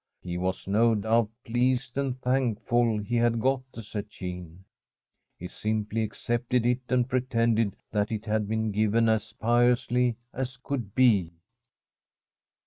He was, no doubt, pleased and thankful he had got the zecchine. He simply accepted it and pretended that it had been given as piously as could be.